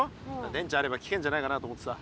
電池あれば聞けんじゃないかなと思ってさ。